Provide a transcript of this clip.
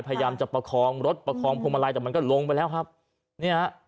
พยายามจะประคองรถประคองพวงมาลัยแต่มันก็ลงไปแล้วครับเนี่ยฮะ